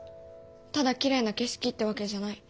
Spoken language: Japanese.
ただきれいな景色ってわけじゃない。